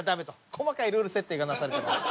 細かいルール設定がなされてます。